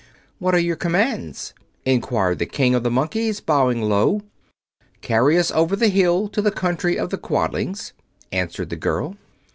"What are your commands?" inquired the King of the Monkeys, bowing low. "Carry us over the hill to the country of the Quadlings," answered the girl.